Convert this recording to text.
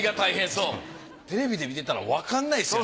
テレビで見てたらわからないですよね。